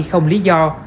không lý do